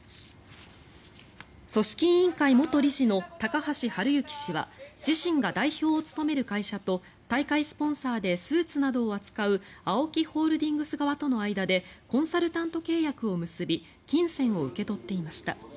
組織委員会元理事の高橋治之氏は自身が代表を務める会社と大会スポンサーでスーツなどを扱うＡＯＫＩホールディングス側との間でコンサルタント契約を結び金銭を受け取っていました。